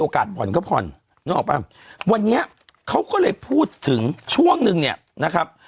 ผ่อนก็ผ่อนนึกออกป่ะวันนี้เขาก็เลยพูดถึงช่วงนึงเนี่ยนะครับ